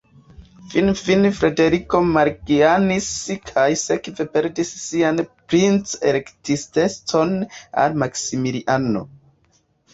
Finfine Frederiko malgajnis kaj sekve perdis sian princo-elektistecon al Maksimiliano.